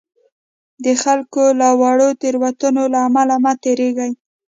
د خلکو له واړو تېروتنو له امله مه تېرېږئ.